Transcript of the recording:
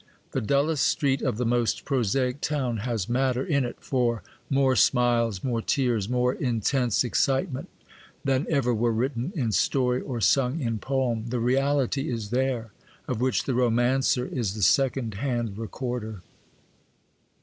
The dullest street of the most prosaic town has matter in it for more smiles, more tears, more intense excitement, than ever were written in story or sung in poem; the reality is there, of which the romancer is the second hand recorder.